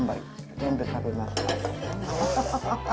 全部食べました。